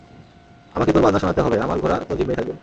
আমাকে তোর বাজনা শোনাতে হবে, আমার ঘোড়া তোর জিম্মেয় থাকবে।